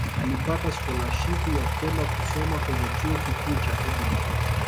Alipata skolashipu ya kwenda kusoma kwenye Chuo Kikuu cha Edinburgh